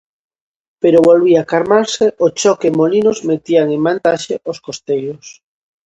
Pero volvía calmarse o choque e Molinos metían en vantaxe aos costeiros.